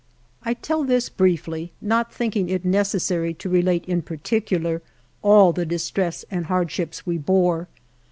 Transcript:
I tell this briefly, not thinking it necessary to relate in particular all the distress and hardships we bore.